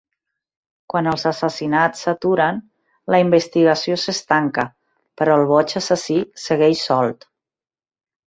Quan els assassinats s'aturen, la investigació s'estanca, però el boig assassí segueix solt.